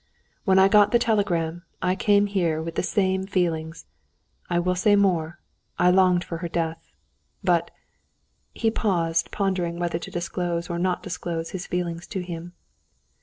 When I got the telegram, I came here with the same feelings; I will say more, I longed for her death. But...." He paused, pondering whether to disclose or not to disclose his feeling to him.